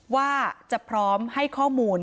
ว่าจะพร้อมให้ข้อมูล